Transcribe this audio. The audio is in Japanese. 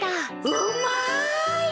うまい！